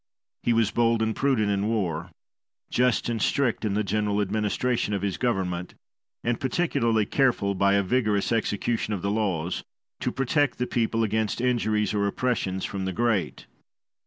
He was bold and prudent in war, just and strict in the general administration of his government, and particularly careful, by a vigorous execution of the laws, to protect the people against injuries or oppressions from the great.